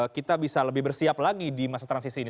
kita bisa lebih bersiap lagi di masa transisi ini